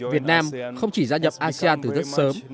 việt nam không chỉ gia nhập asean